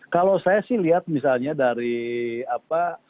kalau saya sih lihat misalnya dari apa